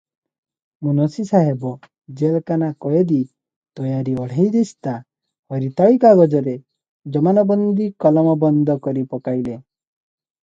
ମୁନସି ସାହେବ ଜେଲକାନା କଏଦୀ ତୟାରି ଅଢ଼େଇ ଦିସ୍ତା ହରିତାଳି କାଗଜରେ ଜମାନବନ୍ଦି କଲମବନ୍ଦ କରି ପକାଇଲେ ।